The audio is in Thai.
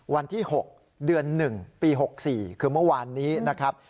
วันที่หกเดือนหนึ่งปีหกสี่คือเมื่อวานนี้นะครับ